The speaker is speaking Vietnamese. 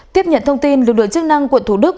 tiếp nhận thông tin lực lượng chức năng quận thủ đức